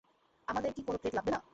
আমাদের কি কোন প্লেট লাগবে না?